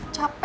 capek aku mah